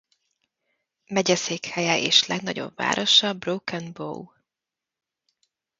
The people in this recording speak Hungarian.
Megyeszékhelye és legnagyobb városa Broken Bow.